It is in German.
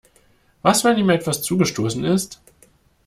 Was, wenn ihm etwas zugestoßen ist?